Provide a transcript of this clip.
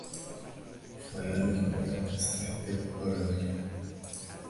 پایانی که باید از ته دل آرزو کرد